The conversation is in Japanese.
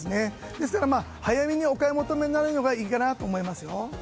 ですから、早めにお買い求めになるのがいいかなと思いますよ。